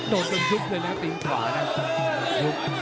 โดนจนยุบเลยนะครับตีนขวานะครับ